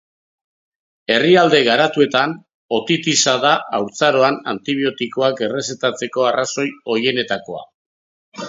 Herrialde garatuetan, otitisa da haurtzaroan antibiotikoak errezetatzeko arrazoi ohikoenetakoa.